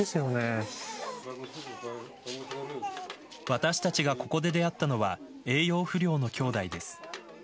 私たちがここで出会ったのは栄養不良のきょうだいです。